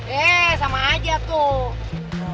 eh sama aja tuh